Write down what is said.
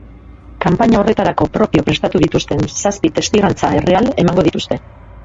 Kanpaina horretarako propio prestatu dituzten zazpi testigantza erreal emango dituzte.